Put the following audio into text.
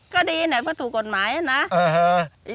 ก็ดีเนอะเพราะถูกกฎหมายอ่ะนะอ่าฮะ